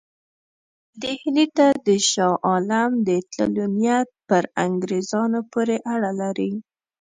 ډهلي ته د شاه عالم د تللو نیت په انګرېزانو پورې اړه لري.